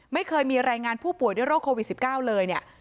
ไม่เคยมีรายงานผู้ป่วยด้วยโรคโควิด๑๙เลยเนี่ย